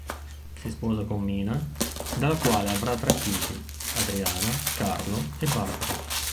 Si sposa con Mina, dalla quale avrà tre figli: Adriana, Carlo e Barbara.